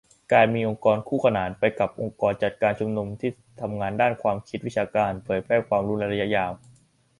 การมีองค์กรคู่ขนานไปกับองค์กรจัดการชุนนุม ที่ทำงานด้านความคิด วิชาการ เผยแพร่ความรู้ในระยะยาว